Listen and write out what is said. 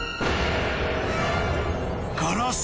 ガラス